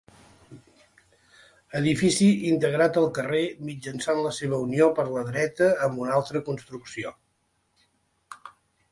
Edifici integrat al carrer mitjançant la seva unió per la dreta amb una altra construcció.